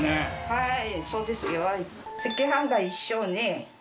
はい。